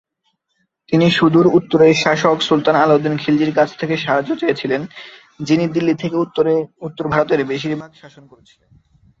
তিনি সুদূর উত্তরের শাসক সুলতান আলা-উদ-দীন খিলজির কাছ থেকে সাহায্য চেয়েছিলেন, যিনি দিল্লি থেকে উত্তর ভারতের বেশিরভাগ শাসন করছিলেন।